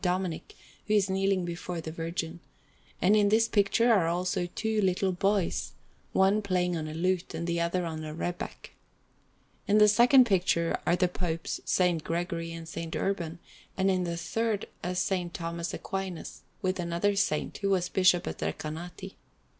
Dominic, who is kneeling before the Virgin; and in this picture are also two little boys, one playing on a lute and the other on a rebeck. In the second picture are the Popes S. Gregory and S. Urban; and in the third is S. Thomas Aquinas, with another saint, who was Bishop of Recanati.